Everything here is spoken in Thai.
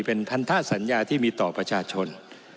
เป็นพันธสัญญาที่มีต่อประชาชน